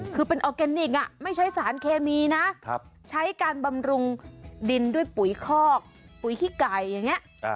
คือเป็นออร์แกนิคไม่ใช้สารเคมีนะใช้การบำรุงดินด้วยปุ๋ยคอกปุ๋ยขี้ไก่อย่างนี้